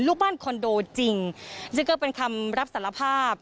ลูกบ้านคอนโดจริงซึ่งก็เป็นคำรับสารภาพ